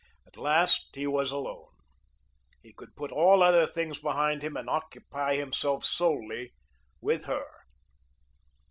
At last he was alone. He could put all other things behind him and occupy himself solely with her.